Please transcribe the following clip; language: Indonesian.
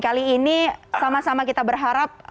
kali ini sama sama kita berharap